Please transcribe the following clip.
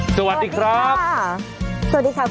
สวัสดีครับ